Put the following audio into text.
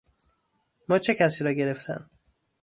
مچ کسی را گرفتن